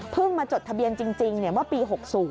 เพิ่งมาจดทะเบียนจริงว่าปี๖๐